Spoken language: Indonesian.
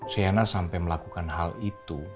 seana sampai melakukan hal itu